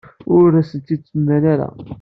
Ur asent-tt-id-mlan ara.